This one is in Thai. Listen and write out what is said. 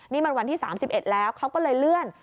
นี่มันวันที่๓๑แล้วเขาก็เลยเลื่อน